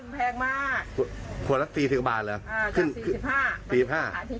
แม้แกรกแพงก็แพงไข่ไก่แพงมาก